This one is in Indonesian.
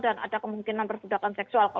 dan ada kemungkinan persudahan seksual